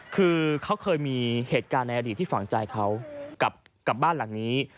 คือเขาเคยมีเหตุการณ์ในอดีตที่ฝังใจเขากับบ้านหลังนี้